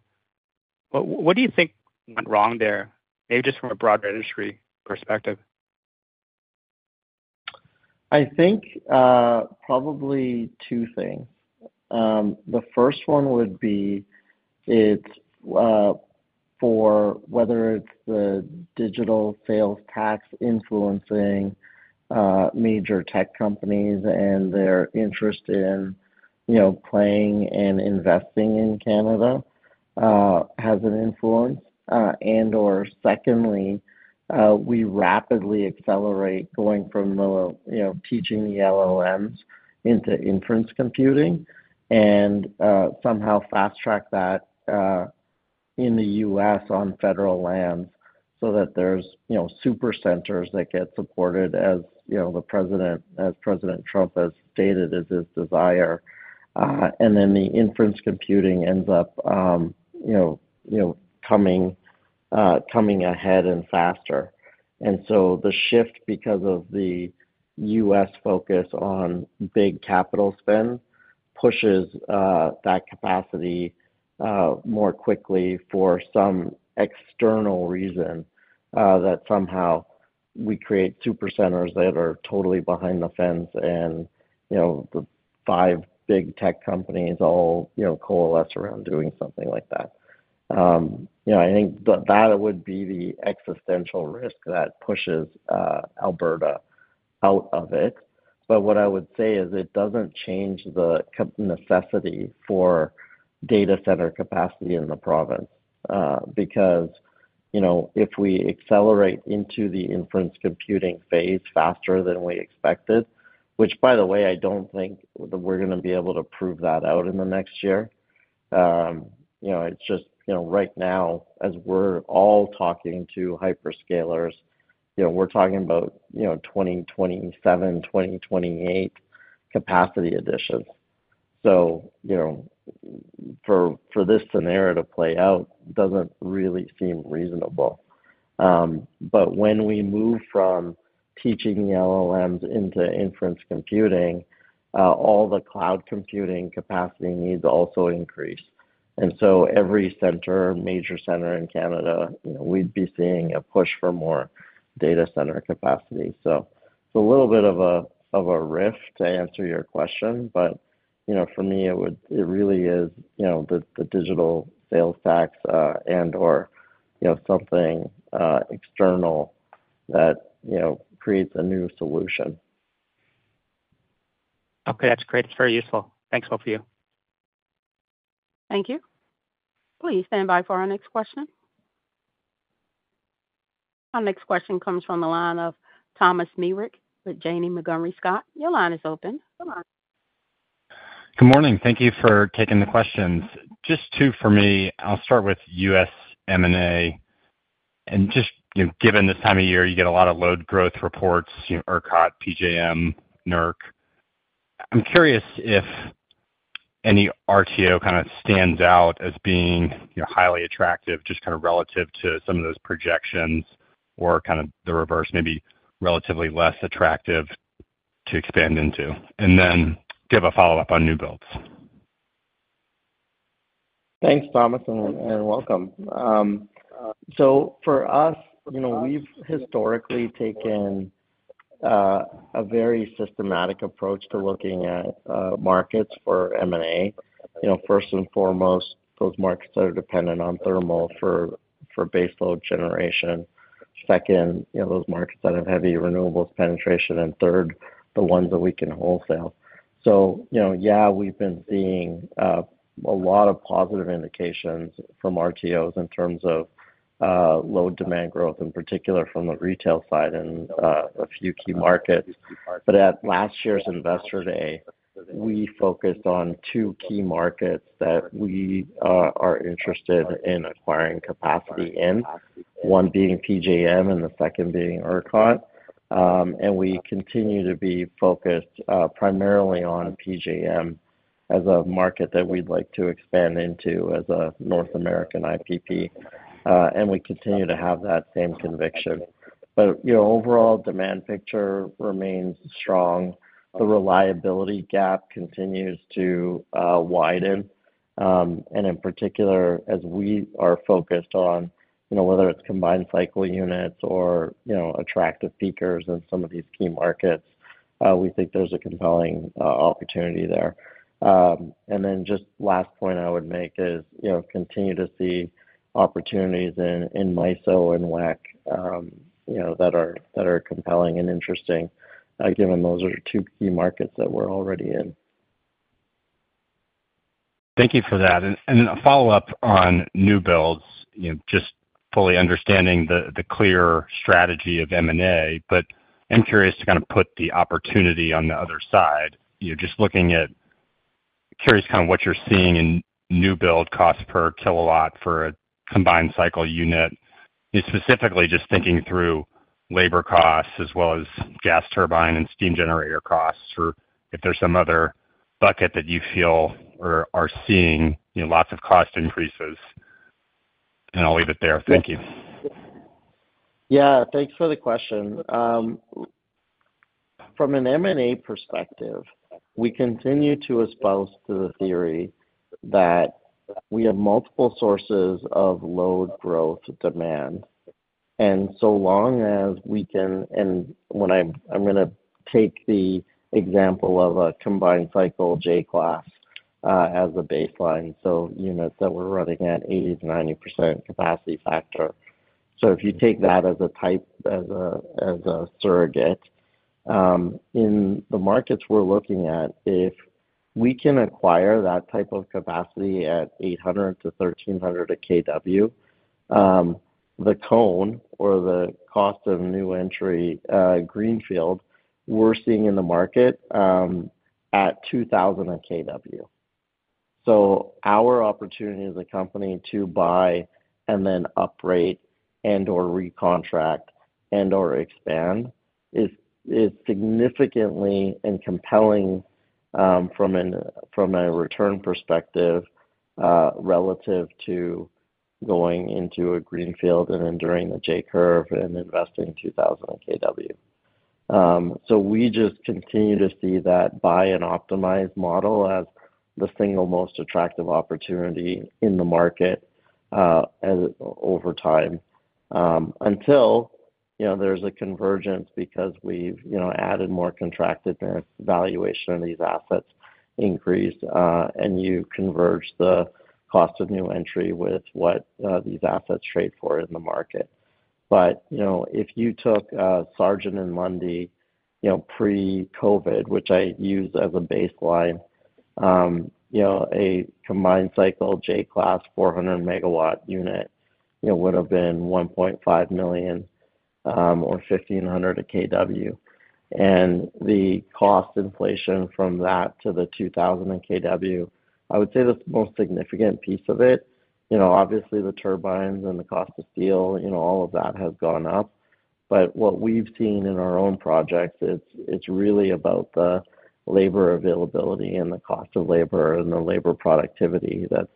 what do you think went wrong there, maybe just from a broader industry perspective? I think probably two things. The first one would be for whether it's the digital sales tax influencing major tech companies and their interest in playing and investing in Canada has an influence. And secondly, we rapidly accelerate going from teaching the LLMs into inference computing and somehow fast-track that in the U.S. on federal lands so that there's super centers that get supported as President Trump has stated is his desire. And then the inference computing ends up coming ahead and faster. And so the shift because of the U.S. focus on big capital spend pushes that capacity more quickly for some external reason that somehow we create super centers that are totally behind the fence and the five big tech companies all coalesce around doing something like that. I think that would be the existential risk that pushes Alberta out of it.
But what I would say is it doesn't change the necessity for data center capacity in the province because if we accelerate into the inference computing phase faster than we expected, which, by the way, I don't think we're going to be able to prove that out in the next year. It's just right now, as we're all talking to hyperscalers, we're talking about 2027, 2028 capacity additions. So for this scenario to play out, it doesn't really seem reasonable. But when we move from teaching the LLMs into inference computing, all the cloud computing capacity needs also increase. And so every center, major center in Canada, we'd be seeing a push for more data center capacity. So it's a little bit of a rift to answer your question. But for me, it really is the digital sales tax and/or something external that creates a new solution.
Okay. That's great. It's very useful. Thanks, both of you.
Thank you. Please stand by for our next question. Our next question comes from the line of Thomas Meric with Janney Montgomery Scott. Your line is open.
Good morning. Thank you for taking the questions. Just two for me. I'll start with U.S. M&A. And just given this time of year, you get a lot of load growth reports, ERCOT, PJM, NERC. I'm curious if any RTO kind of stands out as being highly attractive just kind of relative to some of those projections or kind of the reverse, maybe relatively less attractive to expand into. And then give a follow-up on new builds.
Thanks, Thomas, and welcome. So for us, we've historically taken a very systematic approach to looking at markets for M&A. First and foremost, those markets that are dependent on thermal for baseload generation. Second, those markets that have heavy renewables penetration. And third, the ones that we can wholesale. So yeah, we've been seeing a lot of positive indications from RTOs in terms of load demand growth, in particular from the retail side in a few key markets. But at last year's Investor Day, we focused on two key markets that we are interested in acquiring capacity in, one being PJM and the second being ERCOT. And we continue to be focused primarily on PJM as a market that we'd like to expand into as a North American IPP. And we continue to have that same conviction. But overall, demand picture remains strong. The reliability gap continues to widen. And in particular, as we are focused on whether it's combined cycle units or attractive peakers in some of these key markets, we think there's a compelling opportunity there. And then just last point I would make is continue to see opportunities in MISO and WECC that are compelling and interesting given those are two key markets that we're already in.
Thank you for that. And a follow-up on new builds, just fully understanding the clear strategy of M&A, but I'm curious to kind of put the opportunity on the other side. Just looking at, curious kind of what you're seeing in new build cost per kilowatt for a combined cycle unit, specifically just thinking through labor costs as well as gas turbine and steam generator costs, or if there's some other bucket that you feel or are seeing lots of cost increases. And I'll leave it there. Thank you.
Yeah. Thanks for the question. From an M&A perspective, we continue to espouse the theory that we have multiple sources of load growth demand. So long as we can, and I'm going to take the example of a combined cycle J-Class as the baseline, so units that we're running at 80%-90% capacity factor. So if you take that as a surrogate, in the markets we're looking at, if we can acquire that type of capacity at 800-1,300/kW, the CONE or the cost of new entry greenfield we're seeing in the market at 2,000/kW. So our opportunity as a company to buy and then uprate and/or recontract and/or expand is significantly and compelling from a return perspective relative to going into a greenfield and enduring the J-curve and investing 2,000/kW. We just continue to see that buy and optimize model as the single most attractive opportunity in the market over time until there's a convergence because we've added more contractedness, valuation of these assets increased, and you converge the cost of new entry with what these assets trade for in the market. But if you took Sargent and Lundy pre-COVID, which I use as a baseline, a combined cycle J-Class 400-megawatt unit would have been 1.5 million or 1,500 a kW. And the cost inflation from that to the 2,000 a kW, I would say the most significant piece of it, obviously the turbines and the cost of steel, all of that has gone up. But what we've seen in our own projects, it's really about the labor availability and the cost of labor and the labor productivity that's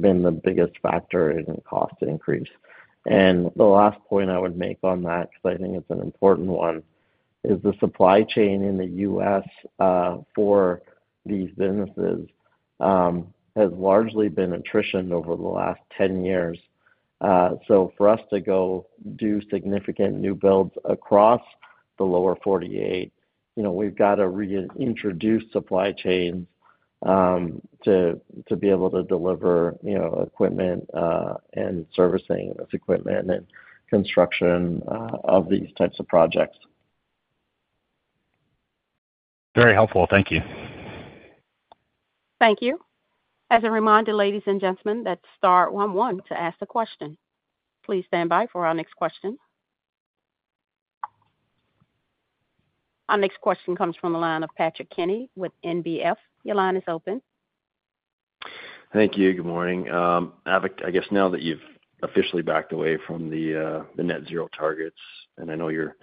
been the biggest factor in the cost increase. And the last point I would make on that, because I think it's an important one, is the supply chain in the U.S. for these businesses has largely been attrition over the last 10 years. So for us to go do significant new builds across the lower 48, we've got to reintroduce supply chains to be able to deliver equipment and servicing this equipment and construction of these types of projects.
Very helpful. Thank you.
Thank you. As a reminder, ladies and gentlemen, that's Star 11 to ask the question. Please stand by for our next question. Our next question comes from the line of Patrick Kenny with NBF. Your line is open.
Thank you. Good morning. Avik, I guess now that you've officially backed away from the net zero targets, and I know you're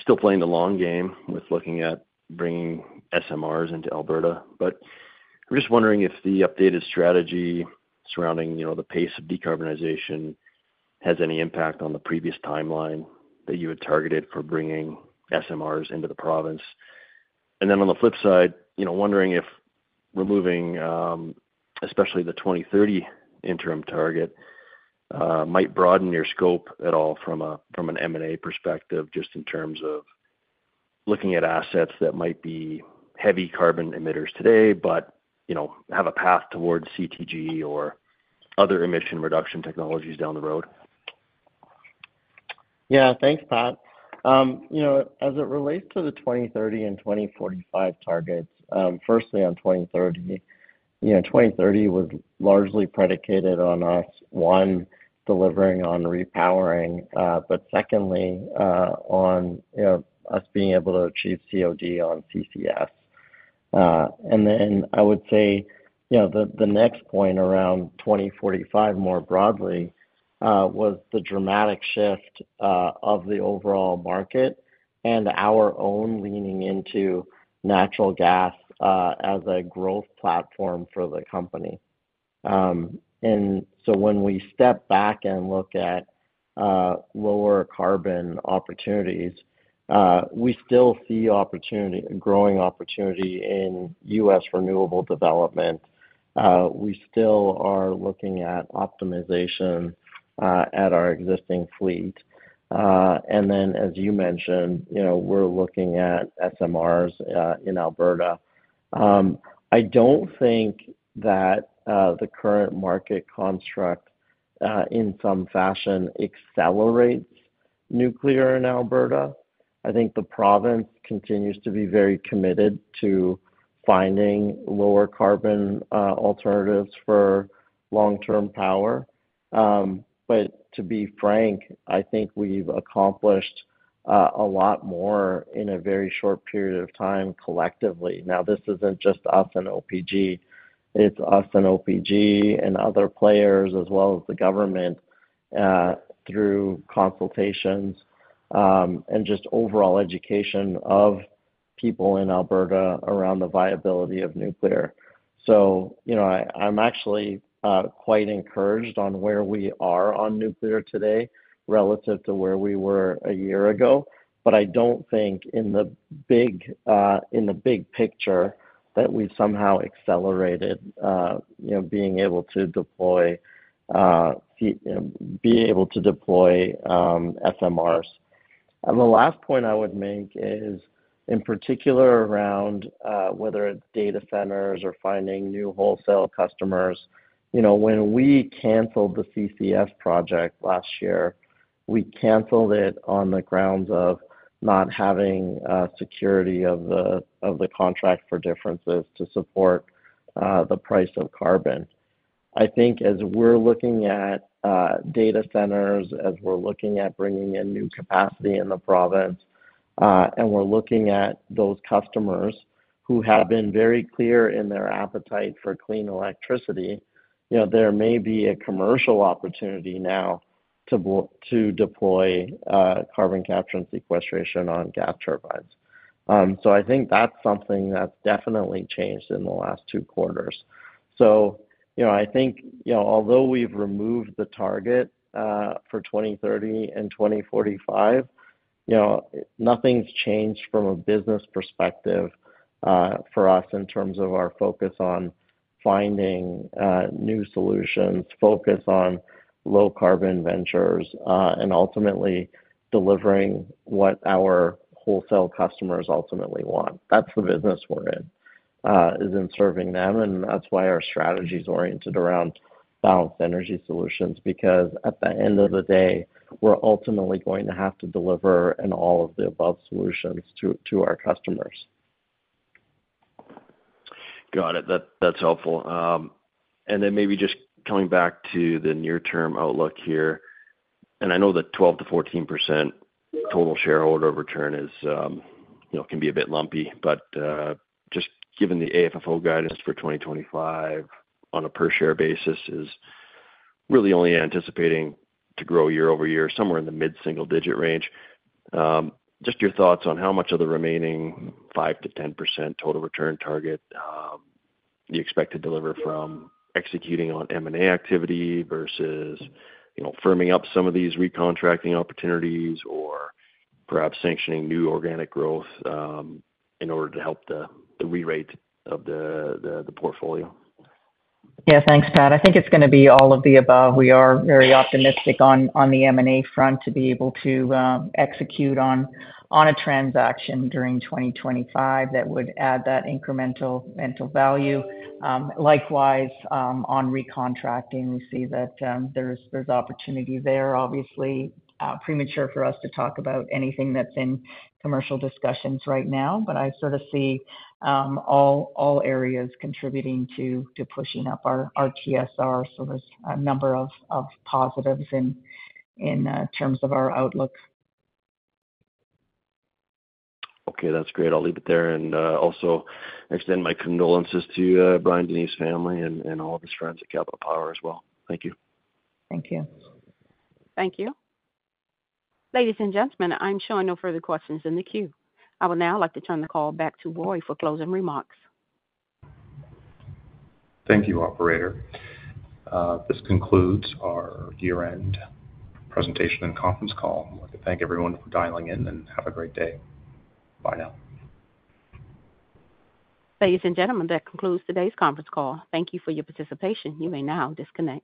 still playing the long game with looking at bringing SMRs into Alberta, but I'm just wondering if the updated strategy surrounding the pace of decarbonization has any impact on the previous timeline that you had targeted for bringing SMRs into the province. And then on the flip side, wondering if removing, especially the 2030 interim target, might broaden your scope at all from an M&A perspective just in terms of looking at assets that might be heavy carbon emitters today but have a path towards CTG or other emission reduction technologies down the road.
Yeah. Thanks, Pat. As it relates to the 2030 and 2045 targets, firstly, on 2030, 2030 was largely predicated on us, one, delivering on repowering, but secondly, on us being able to achieve COD on CCS. And then I would say the next point around 2045 more broadly was the dramatic shift of the overall market and our own leaning into natural gas as a growth platform for the company. And so when we step back and look at lower carbon opportunities, we still see growing opportunity in U.S. renewable development. We still are looking at optimization at our existing fleet. And then, as you mentioned, we're looking at SMRs in Alberta. I don't think that the current market construct in some fashion accelerates nuclear in Alberta. I think the province continues to be very committed to finding lower carbon alternatives for long-term power. But to be frank, I think we've accomplished a lot more in a very short period of time collectively. Now, this isn't just us and OPG. It's us and OPG and other players as well as the government through consultations and just overall education of people in Alberta around the viability of nuclear, so I'm actually quite encouraged on where we are on nuclear today relative to where we were a year ago, but I don't think in the big picture that we've somehow accelerated being able to deploy SMRs, and the last point I would make is, in particular, around whether it's data centers or finding new wholesale customers. When we canceled the CCS project last year, we canceled it on the grounds of not having security of the contract for differences to support the price of carbon. I think as we're looking at data centers, as we're looking at bringing in new capacity in the province, and we're looking at those customers who have been very clear in their appetite for clean electricity, there may be a commercial opportunity now to deploy carbon capture and sequestration on gas turbines. So I think that's something that's definitely changed in the last two quarters. So I think although we've removed the target for 2030 and 2045, nothing's changed from a business perspective for us in terms of our focus on finding new solutions, focus on low-carbon ventures, and ultimately delivering what our wholesale customers ultimately want. That's the business we're in, is in serving them. And that's why our strategy is oriented around balanced energy solutions, because at the end of the day, we're ultimately going to have to deliver in all of the above solutions to our customers.
Got it. That's helpful. And then maybe just coming back to the near-term outlook here. And I know that 12% to 14% total shareholder return can be a bit lumpy, but just given the AFFO guidance for 2025 on a per-share basis is really only anticipating to grow year-over-year, somewhere in the mid-single-digit range. Just your thoughts on how much of the remaining 5% to 10% total return target you expect to deliver from executing on M&A activity versus firming up some of these recontracting opportunities or perhaps sanctioning new organic growth in order to help the re-rate of the portfolio.
Yeah. Thanks, Pat. I think it's going to be all of the above. We are very optimistic on the M&A front to be able to execute on a transaction during 2025 that would add that incremental value. Likewise, on recontracting, we see that there's opportunity there. Obviously, premature for us to talk about anything that's in commercial discussions right now, but I sort of see all areas contributing to pushing up our TSR. So there's a number of positives in terms of our outlook.
Okay. That's great. I'll leave it there and also extend my condolences to Brian DeNeve's family and all of his friends at Capital Power as well. Thank you.
Thank you.
Thank you. Ladies and gentlemen, I'm sure no further questions in the queue. I would now like to turn the call back to Roy for closing remarks.
Thank you, Operator. This concludes our year-end presentation and conference call. I'd like to thank everyone for dialing in and have a great day. Bye now.
Ladies and gentlemen, that concludes today's conference call. Thank you for your participation. You may now disconnect.